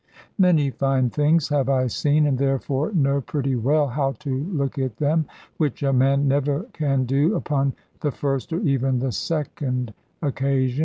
Many fine things have I seen, and therefore know pretty well how to look at them, which a man never can do upon the first or even the second occasion.